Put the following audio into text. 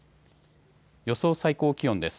予想最高気温です。